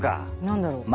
何だろう？